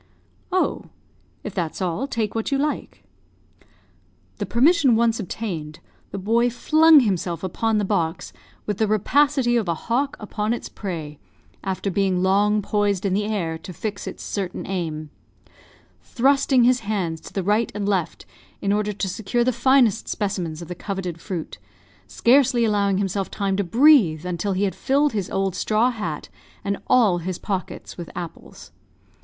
"Oh, if that's all, take what you like." The permission once obtained, the boy flung himself upon the box with the rapacity of a hawk upon its prey, after being long poised in the air, to fix its certain aim; thrusting his hands to the right and left, in order to secure the finest specimens of the coveted fruit, scarcely allowing himself time to breathe until he had filled his old straw hat, and all his pockets, with apples.